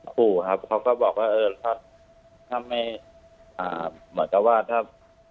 ขู่ครับเขาก็บอกว่าเออถ้าไม่เหมือนกับว่าถ้า